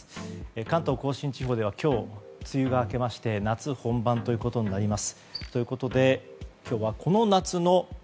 関東・甲信地方では今日梅雨が明けまして夏本番ということになります。